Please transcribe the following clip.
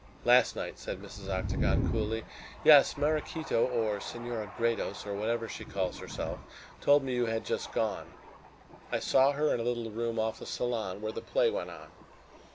"Last night," said Mrs. Octagon coolly. "Yes. Maraquito, or Senora Gredos, or whatever she calls herself, told me you had just gone. I saw her in a little room off the salon where the play went on."